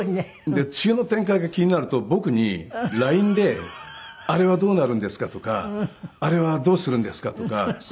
で次の展開が気になると僕にＬＩＮＥで「あれはどうなるんですか？」とか「あれはどうするんですか？」とか。